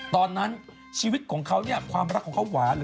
ตอนนั้นชีวิตของเขาเนี่ยความรักของเขาหวาน